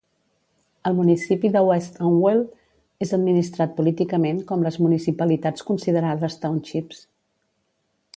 El municipi de West Amwell és administrat políticament com les municipalitats considerades "townships".